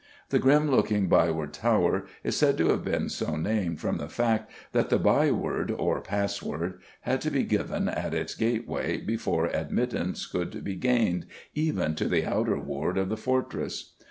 The grim looking Byward Tower is said to have been so named from the fact that the by word, or password, had to be given at its gateway before admittance could be gained even to the outer ward of the fortress.